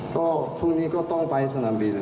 ก็พรุ่งนี้ก็ต้องไปสนามบิน